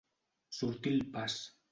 Sortir al pas.